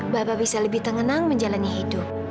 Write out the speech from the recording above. bapak bisa lebih tenang menjalani hidup